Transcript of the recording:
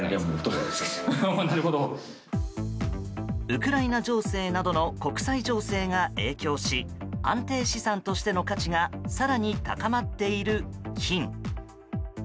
ウクライナ情勢などの国際情勢が影響し安定資産としての価値が更に高まっている金。